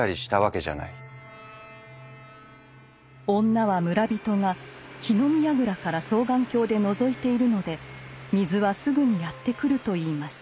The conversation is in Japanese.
女は村人が火の見やぐらから双眼鏡でのぞいているので水はすぐにやってくると言います。